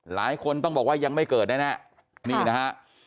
หลายคนต้องบอกว่ายังไม่เกิดแน่นี่นะฮะ